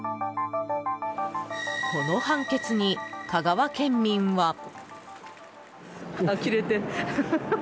この判決に、香川県民は。